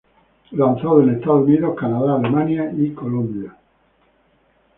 Lanzado en Estados Unidos, Canadá, Alemania y Colombia.